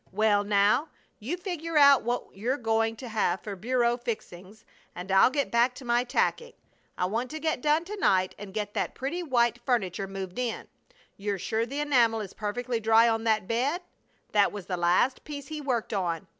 Well, now, you figure out what you're going to have for bureau fixings, and I'll get back to my tacking. I want to get done to night and get that pretty white furniture moved in. You're sure the enamel is perfectly dry on that bed? That was the last piece he worked on.